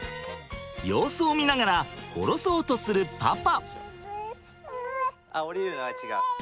様子を見ながら降ろそうとするパパ。